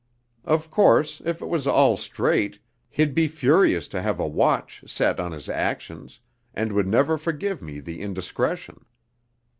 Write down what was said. Of course, if it was all straight he'd be furious to have a watch set on his actions, and would never forgive me the indiscretion.